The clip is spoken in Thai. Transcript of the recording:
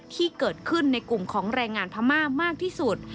ที่เกิดขึ้นในกลุ่มของแรงงานพม่ามากที่สุด